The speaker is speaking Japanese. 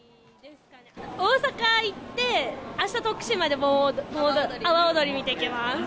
大阪行って、あした徳島で盆踊り、阿波おどり見てきます。